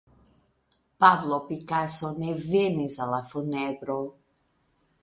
Pablo Picasso ne venis al la funebro.